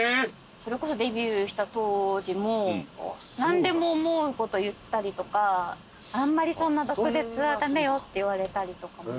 それこそデビューした当時も何でも思うこと言ったりとかあんまりそんな毒舌は駄目よって言われたりとかも。